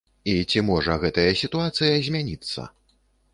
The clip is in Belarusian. І ці можа гэтая сітуацыя змяніцца?